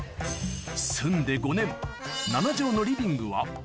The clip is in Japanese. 住んで５年７帖のリビングは